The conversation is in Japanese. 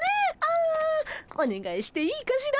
あおねがいしていいかしら？